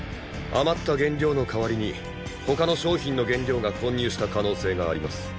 余った原料の代わりに他の商品の原料が混入した可能性があります。